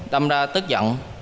đâm ra tức giận